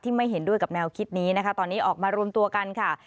ไม่เห็นด้วยกับแนวคิดนี้นะคะตอนนี้ออกมารวมตัวกันค่ะ